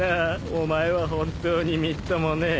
お前は本当にみっともねえ。